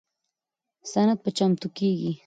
سند به چمتو کیږي.